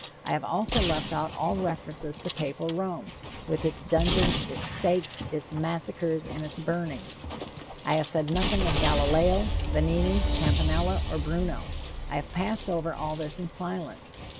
I have also left out all reference to Papal Rome, with its dungeons, its stakes, its massacres and its burnings. I have said nothing of Galileo, Vanini, Campanella or Bruno. I have passed over all this in silence.